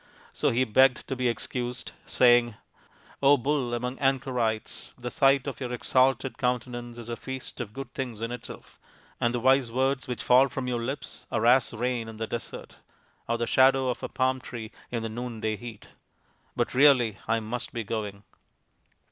So he begged to be excused, saying, " Bull among Anchorites, the sight of your exalted countenance is a feast of good things in itself, and the wise words which fall from your lips are as rain in the desert, or the shadow of a palm tree in the noonday heat. But really, I must be going."